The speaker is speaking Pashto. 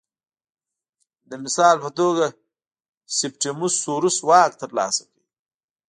د مثال په توګه سیپټیموس سوروس واک ترلاسه کړ